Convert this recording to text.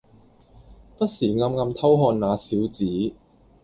不時暗暗偷看那小子